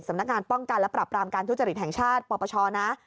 สำนักงานป้องกันและปรับรามการทุจริตแห่งชาติปปชนะ